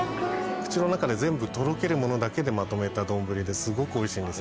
口の中で全部とろけるものだけでまとめた丼ですごくおいしいんです。